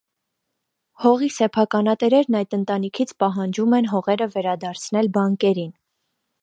Հողի սեփականատերերն այդ ընտանիքից պահանջում են հողերը վերադարձնել բանկերին։